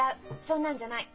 そんなんじゃない。